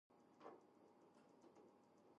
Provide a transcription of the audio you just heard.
Each single test is known as a Test Point.